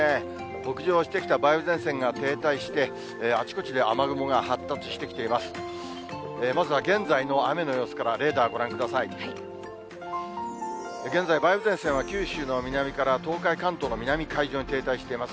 北上してきた梅雨前線が停滞して、あちこちで雨雲が発達してきています。